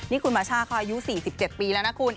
นี่คุณมาช่าเขาอายุ๔๗ปีแล้วนะคุณ